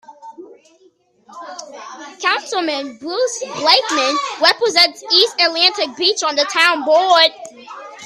Councilman Bruce Blakeman represents East Atlantic Beach on the Town Board.